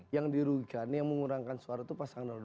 yang dirugikan yang mengurangkan suara itu pasangan dua